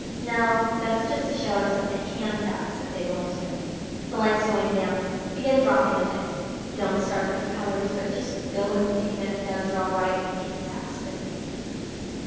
No, that's just to show us that they can stop us if they want to. The light's going down. Begin dropping a bit. Don't start the propellers, but just go and see that the guns are all right in case of accidents."